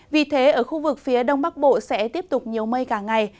vì thế ở khu vực phía đông bắc bộ sẽ tiếp tục nhiều mây cả ngày